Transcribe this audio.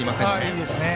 いいですね。